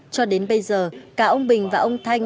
cho đến bây giờ cả ông bình và ông thanh